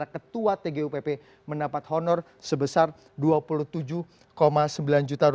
ketua tgupp mendapat honor sebesar rp dua puluh tujuh sembilan juta